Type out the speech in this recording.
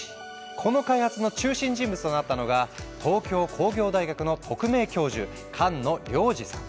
この開発の中心人物となったのが東京工業大学の特命教授菅野了次さん。